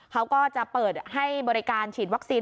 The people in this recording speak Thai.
เขาก็จะเปิดให้บริการฉีดวัคซีน